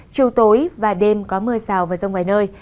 chiều tối và đêm có mưa rào và rông vài nơi